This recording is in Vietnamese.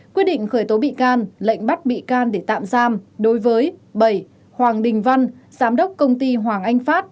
quyết định khởi tố bị can lệnh bắt bị can để tạm giam đối với bảy hoàng đình văn giám đốc công ty hoàng anh phát